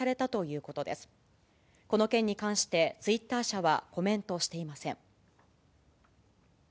この件に関して、ツイッター社はコメントしていません。